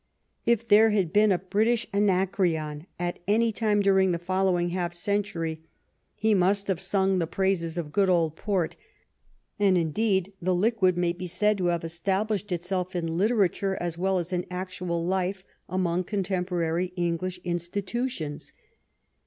If there had been a British Anacreon at any time during the fol lowing half century he must have sung the praises of good old port, and indeed the liquid may be said to have established itself in literature as well as in actual life among contemporary English institutions.